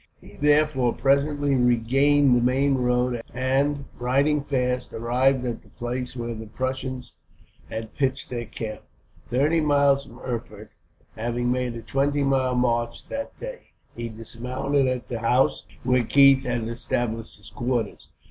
He therefore presently regained the main road and, riding fast, arrived at the place where the Prussians had pitched their camp, thirty miles from Erfurt, having made a twenty miles march that day. He dismounted at the house where Keith had established his quarters.